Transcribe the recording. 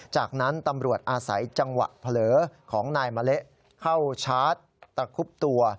จากนั้นตำรวจอาศัยจังหวะเผลอของนายมะเละเข้าชาร์จตะคุบตัว